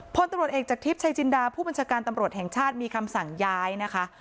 พลตำรวจเอกจากทิพย์ชัยจินดาผู้บัญชาการตำรวจแห่งชาติมีคำสั่งย้ายนะคะ